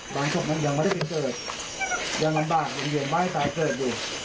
บางสกมันยังไม่ได้เป็นเจิดยังลำบากมีเหยียงไม้สายเจิดอยู่